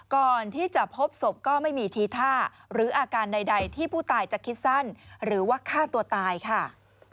ก่อนที่จะพบศพก็ไม่มีทีท่าหรืออาการใดที่ผู้ตายจะคิดสั้นหรือว่าฆ่าตัวตายค่ะ